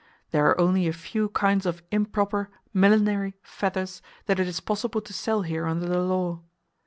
There are only a few kinds of improper "millinery" feathers that it is possible to sell here under the law.